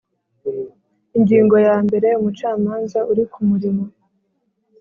Ingingo yambere Umucamanza uri ku murimo